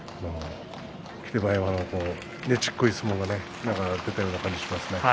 霧馬山のねちっこい相撲が出たような気がしますね。